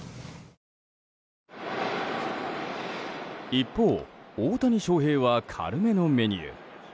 一方、大谷翔平は軽めのメニュー。